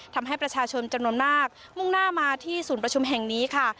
ทำให้ประชาชนจำนวนมากมุ่งหน้ามาที่ศูนย์ประชุมแห่งนี้ค่ะ